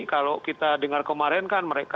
kalau kita dengar kemarin kan mereka